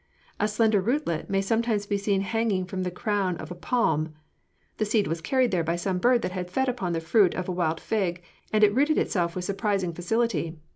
A slender rootlet may sometimes be seen hanging from the crown of a palm. The seed was carried there by some bird that had fed upon the fruit of a wild fig, and it rooted itself with surprising facility.